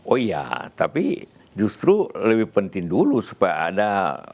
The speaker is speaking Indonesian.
oh iya tapi justru lebih penting dulu supaya ada